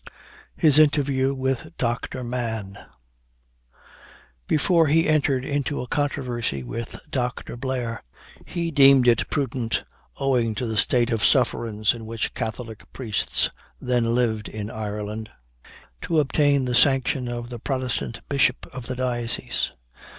HIS INTERVIEW WITH DR. MANN. Before he entered into a controversy with Doctor Blair, he deemed it prudent, owing to the state of sufferance in which Catholic priests then lived in Ireland, to obtain the sanction of the Protestant bishop of the diocese.